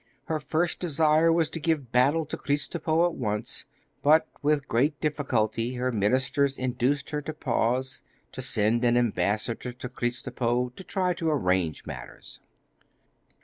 Her first desire was to give battle to Kristopo at once, but with great difficulty her ministers induced her to pause, and to send an ambassador to Kristopo to try to arrange matters.